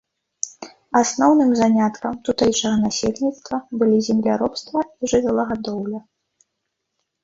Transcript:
Асноўным заняткам тутэйшага насельніцтва былі земляробства і жывёлагадоўля.